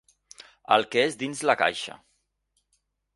El que és dins la caixa.